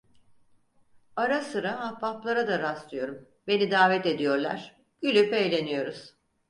Ara sıra ahbaplara da rastlıyorum, beni davet ediyorlar, gülüp eğleniyoruz.